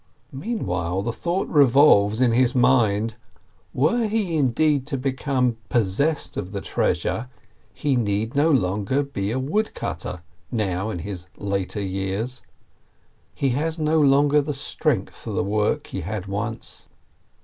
Meantime the thought revolves in his mind : Were he indeed to become possessed of the treasure, he need no longer be a woodcutter, now, in his later years ; he has no longer the strength for the work he had once.